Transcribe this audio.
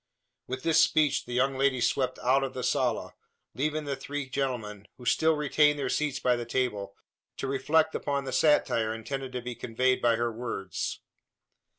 With this speech, the young lady swept out of the sala, leaving the three gentlemen, who still retained their seats by the table, to reflect upon the satire intended to be conveyed by her words.